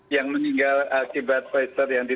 yang meninggal akibat pfizer yang di